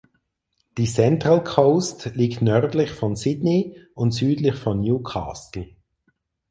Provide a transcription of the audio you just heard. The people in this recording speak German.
Die Central Coast liegt nördlich von Sydney und südlich von Newcastle.